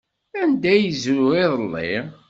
Anda ay yezrew iḍelli?